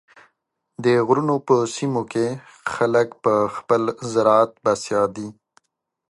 د غرونو په سیمو کې خلک په خپل زراعت بسیا دي.